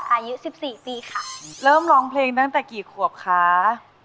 ถ้าพร้อมแล้วขอเชิญพบกับคุณลูกบาท